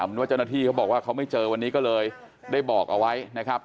มีวจรณที่เขาบอกว่าเขาไม่เจอวันนี้ก็เลยได้บอกเอาไว้นะครับ